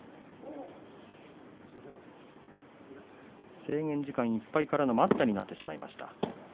制限時間いっぱいからの待ったになってしまいました。